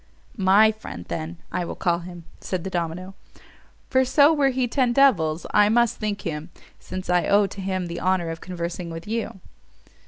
"My friend, then, I will call him," said the domino, "for so, were he ten devils, I must think him, since I owe to him the honour of conversing with you.